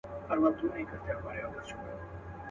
بل به څوك وي زما په شان داسي غښتلى.